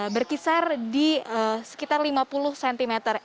berkisar di sekitar lima puluh cm